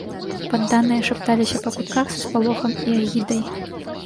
Падданыя шапталіся па кутках са спалохам і агідай.